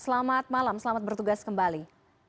selamat malam selamat bertugas kembali